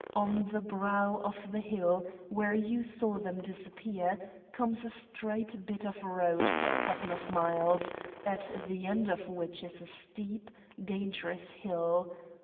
On the brow of the hill, where you saw them disappear, comes a straight bit of road for a couple of miles, at the end of which is a steep, dangerous hill.